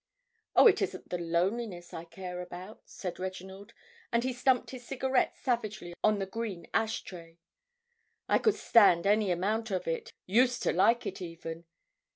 "Oh, it isn't the loneliness I care about," said Reginald, and he stumped his cigarette savagely on the green ash tray. "I could stand any amount of it, used to like it even.